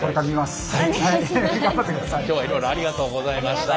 今日はいろいろありがとうございました。